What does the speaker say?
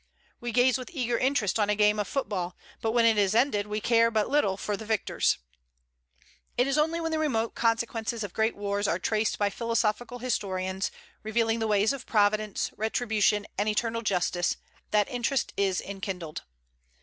We gaze with eager interest on a game of football, but when it is ended we care but little for the victors. It is only when the remote consequences of great wars are traced by philosophical historians, revealing the ways of Providence, retribution, and eternal justice, that interest is enkindled.